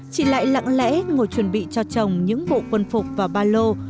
chị lại lặng lẽ ngồi chuẩn bị cho chồng những bộ quân phục và ba lô